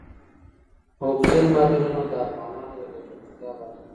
اوبزین معدنونه د افغانانو د ګټورتیا برخه ده.